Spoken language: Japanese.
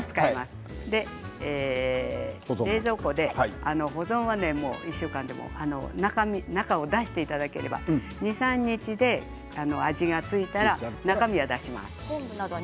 これを冷蔵庫で保存は１週間でも中を出していただければ２、３日で味が付いたら中身は出します。